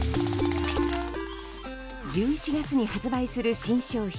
１１月に発売する新商品